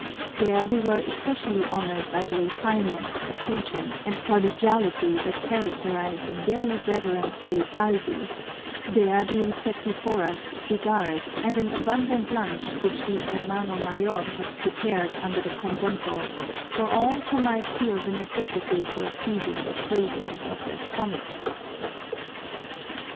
There we were especially honored by the refinement, attention, and prodigality that characterize the Very Reverend Fray Salvi, there being set before us cigars and an abundant lunch which the hermano mayor had prepared under the convento for all who might feel the necessity for appeasing the cravings of their stomachs.